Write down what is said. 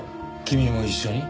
君も一緒に？